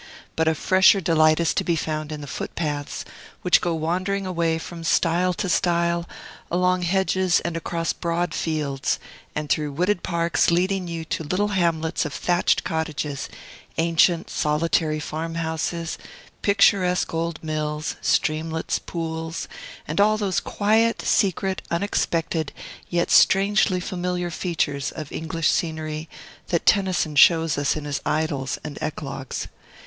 But a fresher delight is to be found in the foot paths, which go wandering away from stile to stile, along hedges, and across broad fields, and through wooded parks, leading you to little hamlets of thatched cottages, ancient, solitary farm houses, picturesque old mills, streamlets, pools, and all those quiet, secret, unexpected, yet strangely familiar features of English scenery that Tennyson shows us in his idyls and eclogues.